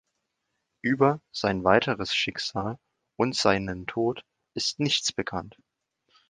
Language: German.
Über sein weiteres Schicksal und seinen Tod ist nichts bekannt.